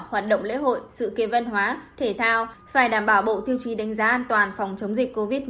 hoạt động lễ hội sự kiện văn hóa thể thao phải đảm bảo bộ tiêu chí đánh giá an toàn phòng chống dịch covid một mươi chín